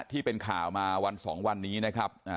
ที่เป็นข่าวมาวัน๒วันนี้นะครับ